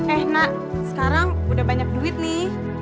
eh nak sekarang udah banyak duit nih